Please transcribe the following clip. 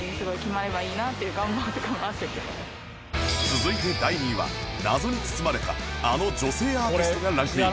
続いて第２位は謎に包まれたあの女性アーティストがランクイン